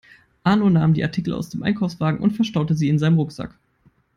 Arno nahm die Artikel aus dem Einkaufswagen und verstaute sie in seinem Rucksack.